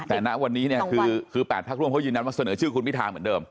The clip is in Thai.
แต่ณวันนี้เนี่ยคือ๘พักร่วมเขายืนยันว่าเสนอชื่อคุณพิธาเหมือนเดิม